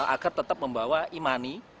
agar tetap membawa e money